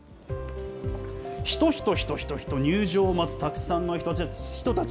人、人、人、人、入場を待つたくさんの人たち。